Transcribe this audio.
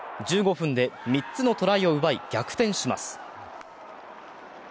１５分で３つのトライを奪い逆転します。